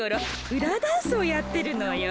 フラダンスをやってるのよ。